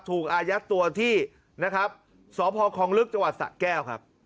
ถูกอายัดตัวที่นะครับสภคองลึกจสะแก้วครับ